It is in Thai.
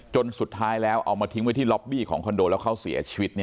จนสุดท้ายแล้วเอามาทิ้งไว้ที่ล็อบบี้ของคอนโดแล้วเขาเสียชีวิต